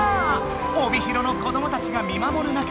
帯広の子どもたちが見まもる中